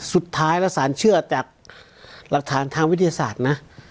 สุดท้ายระสานเชื่อแต่รักฐานทางวิทยาศาสตร์นะ